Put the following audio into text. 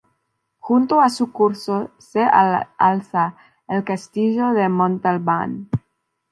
Junto a su curso se alza el Castillo de Montalbán.